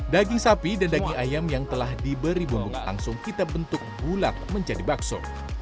daging sapi dan daging ayam yang telah diberi bumbu langsung kita bentuk bulat menjadi bakso